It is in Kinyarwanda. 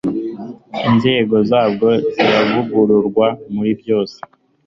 inzego zabwo ziravugururwa muri byose